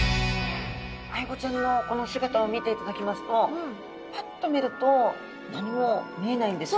アイゴちゃんのこの姿を見ていただきますとパッと見ると何も見えないんですが。